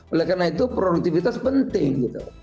oleh karena itu produktivitas penting gitu